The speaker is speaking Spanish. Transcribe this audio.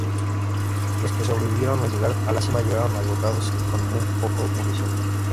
Los que sobrevivieron al llegar a la cima llegaron agotados y con poca munición.